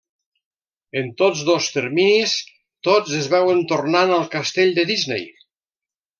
En tots dos terminis, tots es veuen tornant al Castell de Disney.